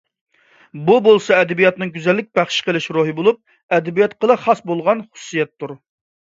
بۇ بولسا ئەدەبىياتنىڭ گۈزەللىك بەخش قىلىش رولى بولۇپ، ئەدەبىياتقىلا خاس بولغان خۇسۇسىيەتتۇر.